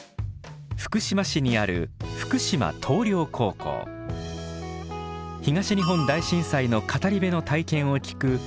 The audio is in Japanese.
福島市にある東日本大震災の語り部の体験を聞く